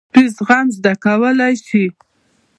سپي زغم زده کولی شي.